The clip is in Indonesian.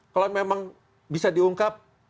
kalau memang bisa diungkap